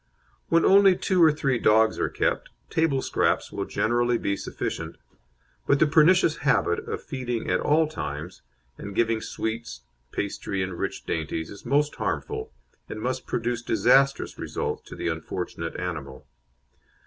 When only two or three dogs are kept, table scraps will generally be sufficient, but the pernicious habit of feeding at all times, and giving sweets, pastry, and rich dainties, is most harmful, and must produce disastrous results to the unfortunate animal.